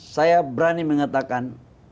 saya berani mengatakan